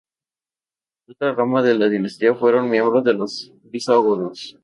Otra rama de la dinastía fueron miembros de los visigodos.